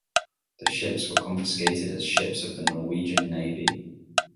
The ships were confiscated as ships of the Norwegian navy.